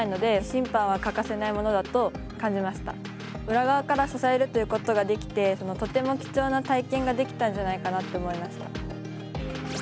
裏側から支えるということができてとても貴重な体験ができたんじゃないかなと思いました。